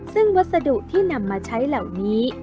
ซึ่งวัสดุที่นำมาใช้เหล่านี้